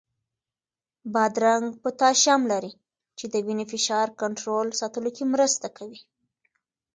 بادرنګ پوتاشیم لري، چې د وینې فشار کنټرول ساتلو کې مرسته کوي.